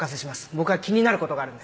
僕は気になる事があるんで。